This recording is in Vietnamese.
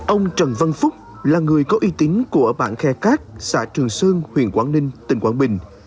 ông trần văn phúc là người có uy tín của bản khe cát xã trường sơn huyện quảng ninh tỉnh quảng bình